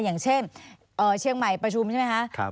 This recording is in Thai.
อย่างเช่นเชียงใหม่ประชุมใช่มั้ยนะครับ